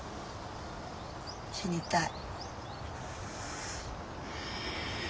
死にたい。